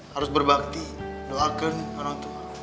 harus berbakti doakan orang tua